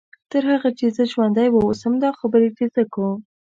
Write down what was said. تر هغه چې زه ژوندۍ واوسم دا خبرې چې زه یې کوم.